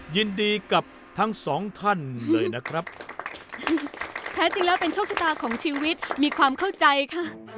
ยินดีกับทั้งสองท่านเลยนะครับแท้จริงแล้วเป็นโชคชะตาของชีวิตมีความเข้าใจค่ะ